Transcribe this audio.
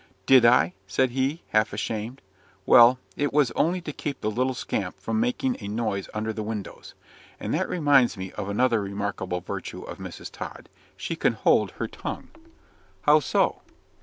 "Did I?" said he, half ashamed. "Well, it was only to keep the little scamp from making a noise under the windows. And that reminds me of another remarkable virtue in Mrs. Tod she can hold her tongue." "How so?"